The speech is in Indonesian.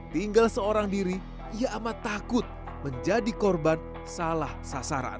tinggal seorang diri ia amat takut menjadi korban salah sasaran